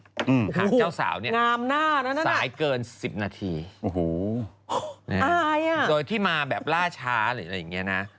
หาเจ้าสาวเนี่ยสายเกิน๑๐นาทีโดยที่มาแบบล่าช้าหรืออะไรอย่างเงี้ยนะ